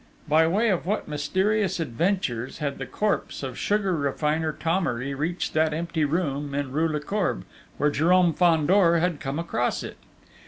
By way of what mysterious adventures had the corpse of sugar refiner Thomery reached that empty room in rue Lecourbe, where Jérôme Fandor had come across it?